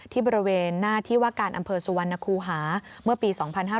ที่บริเวณหน้าที่ว่าการอำเภอสุวรรณคูหาเมื่อปี๒๕๕๙